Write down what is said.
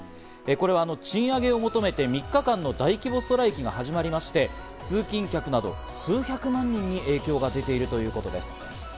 これは賃上げを求めて、３日間の大規模ストライキが始まりまして、通勤客など数百万人に影響が出ているということです。